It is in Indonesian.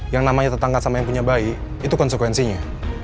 yang namanya tetangga sama yang punya bayi itu konsekuensinya